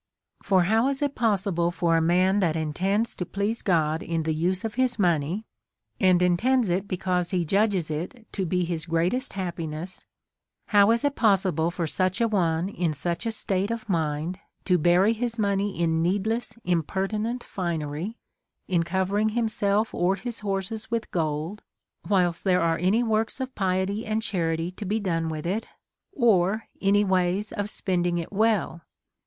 17 For how is it possible for a man that intends to please God in the use of his money, and intends it be cause he judges it to be his gTeatest happiness, how is it possible for such a one in such a state of mind to bury his money in needless impertinent finery, in co vering himself or his horses with gold, whilst there are any works of piety and charity to be done with it, or any ways of spending it well?